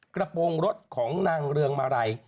กระโปรงรถของนางเรืองมาลัย